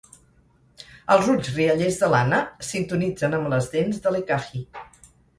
Els ulls riallers de l'Anna sintonitzen amb les dents de l'Ekahi.